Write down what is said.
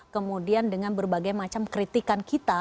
kemudian dengan berbagai macam kritikan kita